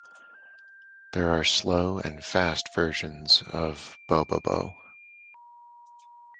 There are 'slow' and 'fast' versions of Bobobo.